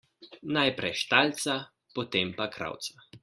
Najprej štalca, potem pa kravca.